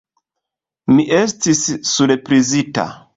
Mi estis surprizita.